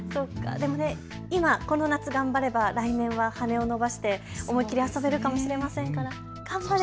でも今、この夏、頑張れば来年は羽を伸ばして思い切り遊べるかもしれませんから頑張れ。